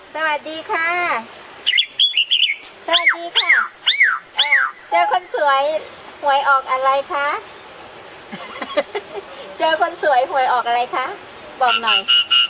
สวัสดีค่ะสวัสดีค่ะเจอคนสวยหวยออกอะไรคะเจอคนสวยหวยออกอะไรคะบอกหน่อย